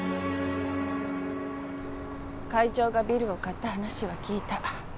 会長がビルを買った話は聞いた。